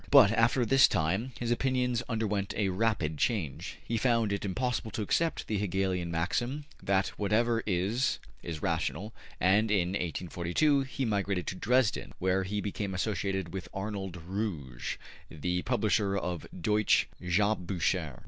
But after this time his opinions underwent a rapid change. He found it impossible to accept the Hegelian maxim that whatever is, is rational, and in 1842 he migrated to Dresden, where he became associated with Arnold Ruge, the publisher of ``Deutsche Jahrbuecher.''